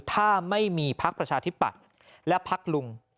ถ้าไม่มีพักประชาธิปัตย์และพักลุง